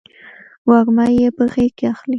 وږمه یې په غیږ کې اخلې